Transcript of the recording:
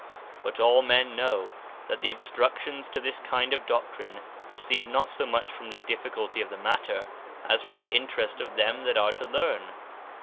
But all men know, that the obstructions to this kind of doctrine, proceed not so much from the difficulty of the matter, as from the interest of them that are to learn.